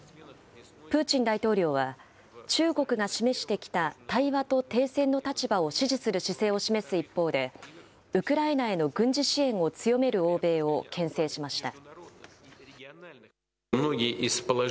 プーチン大統領は、中国が示してきた対話と停戦の立場を支持する姿勢を示す一方で、ウクライナへの軍事支援を強める欧米をけん制しました。